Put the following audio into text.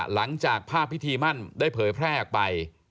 หลังจากภาพพิธีมั่นได้เผยแพร่ออกไป